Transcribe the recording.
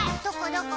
どこ？